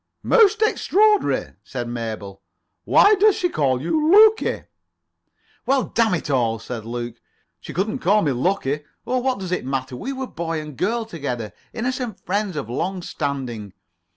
"Most extraordinary," said Mabel. "Why does she call you Lukie?" "Well, damn it all," said Luke, "she couldn't call me lucky. Oh, what does it matter? We were boy and girl together. Innocent friends of long standing."